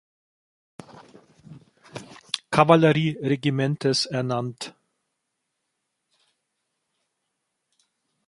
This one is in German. Kavallerie-Regimentes ernannt.